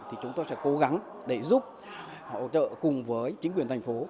thì chúng tôi sẽ cố gắng để giúp hỗ trợ cùng với chính quyền thành phố